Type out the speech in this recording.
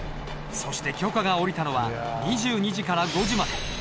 そして許可が下りたのは２２時から５時まで。